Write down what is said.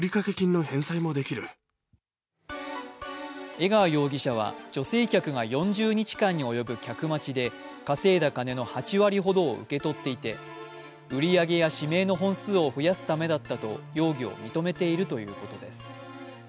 江川容疑者は、女性客が４０日間に及ぶ客待ちで稼いだ金の８割ほどを受け取っていて売り上げや指名の本数を増やすためだったと、容疑を認めているということです。